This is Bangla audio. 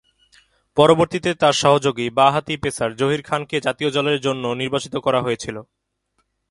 পরবর্তীতে তার সহযোগী বা-হাতি পেসার জহির খান কে জাতীয় দলের জন্য নির্বাচন করা হয়েছিল।